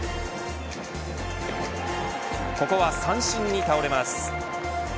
ここは三振に倒れます。